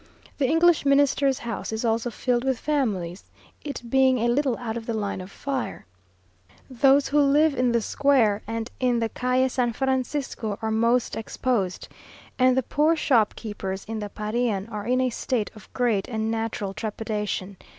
The English Minister's house is also filled with families, it being a little out of the line of fire. Those who live in the Square, and in the Calle San Francisco are most exposed, and the poor shopkeepers in the Parian are in a state of great and natural trepidation.